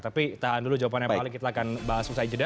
tapi tahan dulu jawabannya pak ali kita akan bahas usai jeda